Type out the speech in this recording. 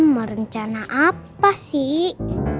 merencana apa sih